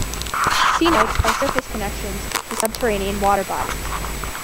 Cenotes are surface connections to subterranean water bodies.